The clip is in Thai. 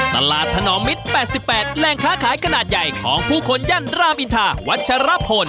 ตลาดถนอมมิตร๘๘แรงค้าขายกระดาษใหญ่ของผู้คนยั่นรามินทาวัชรพล